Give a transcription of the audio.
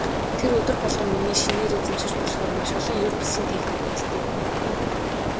Тэр өдөр болгон миний шинээр эзэмшиж болохоор маш олон ер бусын техникүүдтэй.